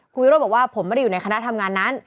คุณวิโรธบอกว่าผมไม่ได้อยู่ในคณะทำงานนั้น